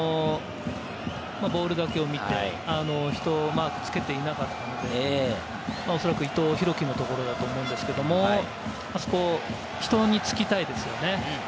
ボールだけを見て人をうまくつけていなかったので、おそらく伊藤洋輝のところだと思いますけれど、あそこ、人につきたいですよね。